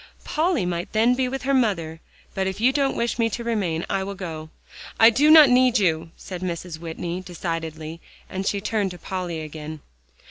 "Polly might then be with her mother. But if you don't wish me to remain, I will go." "I do not need you," said Mrs. Whitney, decidedly, and she turned to Polly again.